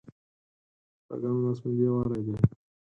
شپږم لوست ملي یووالی دی.